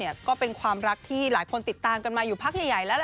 ก็เป็นความรักที่หลายคนติดตามกันมาอยู่พักใหญ่แล้วล่ะ